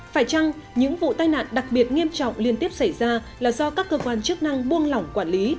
phải chăng những vụ tai nạn đặc biệt nghiêm trọng liên tiếp xảy ra là do các cơ quan chức năng buông lỏng quản lý